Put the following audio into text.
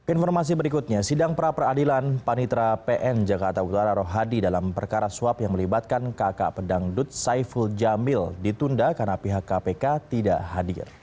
informasi berikutnya sidang pra peradilan panitra pn jakarta utara rohadi dalam perkara suap yang melibatkan kakak pedangdut saiful jamil ditunda karena pihak kpk tidak hadir